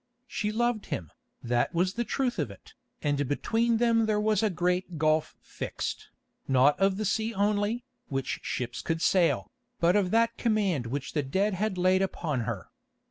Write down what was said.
She loved him, that was the truth of it, and between them there was a great gulf fixed, not of the sea only, which ships could sail, but of that command which the dead had laid upon her.